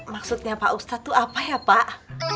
maksudnya pak ustadz itu apa ya pak